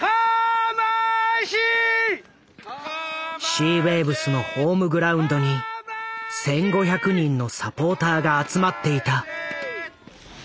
シーウェイブスのホームグラウンドに１，５００人のサポーターが集まっていた。